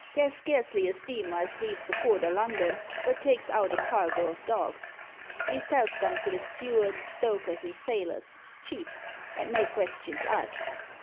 There's scarcely a steamer as leaves the port o' London but takes out a cargo o' dogs. Ve sells 'em to the stewards, stokers, and sailors cheap and no questins asked.